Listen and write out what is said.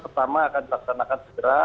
pertama akan dilaksanakan segera